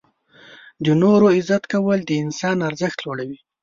• د نورو عزت کول د انسان ارزښت لوړوي.